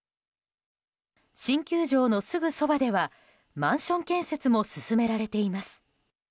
新球場のすぐそばではマンション建設も進められています。